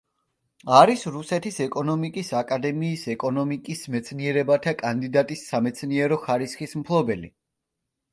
არის რუსეთის ეკონომიკის აკადემიის ეკონომიკის მეცნიერებათა კანდიდატის სამეცნიერო ხარისხის მფლობელი.